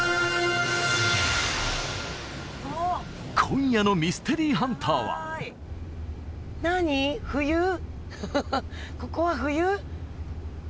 今夜のミステリーハンターはここは冬？